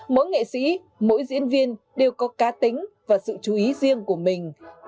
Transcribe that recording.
mỗi nghệ sĩ mỗi diễn viên đều có cá tính và sự chú ý riêng của mình